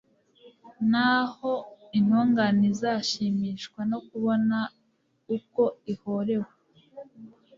Naho intungane izashimishwa no kubona uko ihorewe